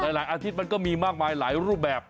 หลายอาทิตย์มันก็มีมากมายหลายรูปแบบ